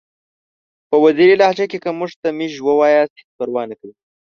په وزیري لهجه کې که موږ ته میژ ووایاست هیڅ پروا نکوي!